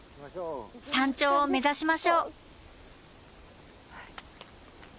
山頂を目指しましょう。